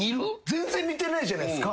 全然似てないじゃないですか。